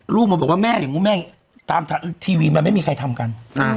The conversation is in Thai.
ลูกมาบอกว่าแม่อย่างนู้นแม่ตามทีวีมันไม่มีใครทำกัน